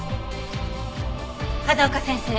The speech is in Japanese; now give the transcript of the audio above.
風丘先生。